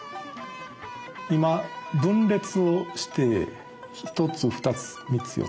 今分裂をして１つ２つ３つ４つ。